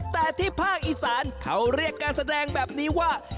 แต่ที่ภาคอีสานเขาเรียกการแสดงแบบนี้ว่า